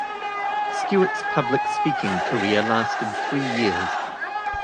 Stewart's public-speaking career lasted three years.